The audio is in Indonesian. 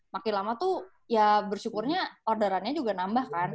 makin lama tuh ya bersyukurnya orderannya juga nambah kan